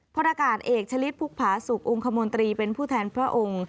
พระรากาศเอกชลิดภูกภาษุบองค์คมวงตรีเป็นผู้แทนพระองค์